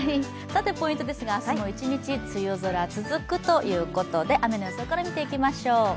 ポイントですが、明日も一日梅雨空が続くということで雨の予想から見ていきましょう。